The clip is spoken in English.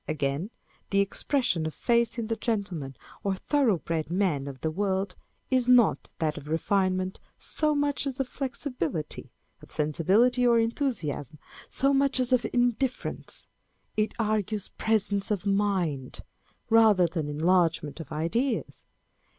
Again, the expression of face in the gentleman or thorough bred man of the world is not that of refinement so much as of flexibility ; of sensibility or enthusiasm, so much as of indifference : it argues presence of mind, rather than enlargement of ideas.